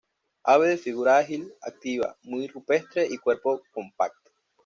Ave de figura ágil, activa, muy rupestre y cuerpo compacto.